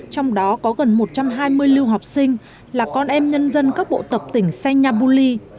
trong đó có gần một trăm hai mươi lưu học sinh là con em nhân dân các bộ tập tỉnh sanya buli